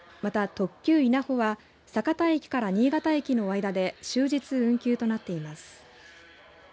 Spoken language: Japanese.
また、特急いなほは酒田駅から新潟駅の間で終日、運休となっています。